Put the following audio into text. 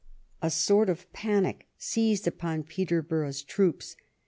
A sort of panic seized upon Peterborough's troops.